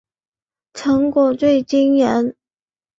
成果最惊人